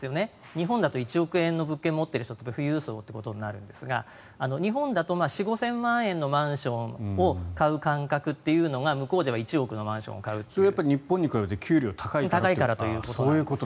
日本だと１億円の物件を持っていると富裕層ということになるんですが日本だと４０００５０００万円のマンションを買う感覚というのが向こうでは１億円のマンションを買うという。